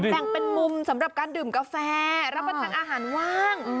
แบ่งเป็นมุมสำหรับการดื่มกาแฟรับประทานอาหารว่าง